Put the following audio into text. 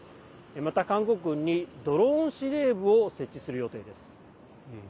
また、韓国軍にドローン司令部を設置する予定です。